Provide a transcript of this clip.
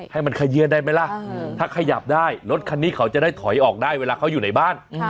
ให้มันเขยื่นได้ไหมล่ะถ้าขยับได้รถคันนี้เขาจะได้ถอยออกได้เวลาเขาอยู่ในบ้าน